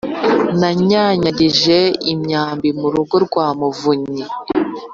nanyanyagije imyambi mu rugo rwa muvunyi